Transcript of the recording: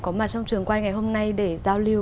có mặt trong trường quay ngày hôm nay để giao lưu